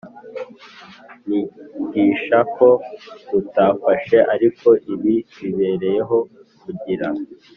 Nigisha ko mutamfashe ariko ibi bibereyeho kugira